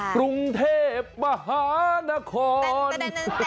กรุงเทพมหานคร